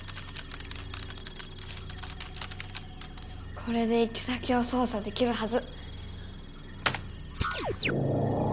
これで行き先をそう作できるはず！